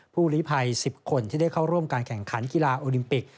หลีภัย๑๐คนที่ได้เข้าร่วมการแข่งขันกีฬาโอลิมปิก